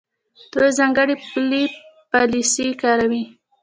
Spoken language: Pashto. دوی ځانګړې پولي پالیسۍ کاروي.